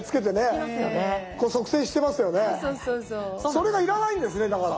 それが要らないんですねだから。